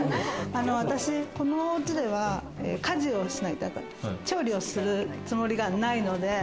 このお家では家事をしない、調理をするつもりがないので。